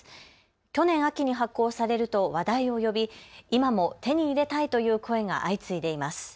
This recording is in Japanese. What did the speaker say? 去年秋に発行されると話題を呼び今も手に入れたいという声が相次いでいます。